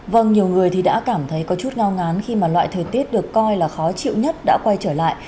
vâng nhiều người thì đã cảm thấy có chút ngao ngán khi mà loại thời tiết được coi là khó chịu nhất đã quay trở lại